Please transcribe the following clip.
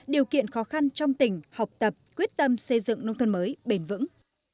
điều kiện khó khăn trong tỉnh học tập quyết tâm xây dựng nông thôn mới bền vững